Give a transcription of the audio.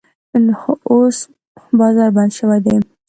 خو اوس بازار بند شوی دی.